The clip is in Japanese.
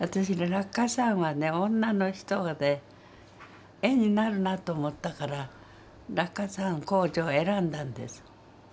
落下傘はね女の人で絵になるなと思ったから落下傘工場選んだんです。